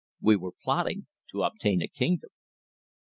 We were plotting to obtain a kingdom!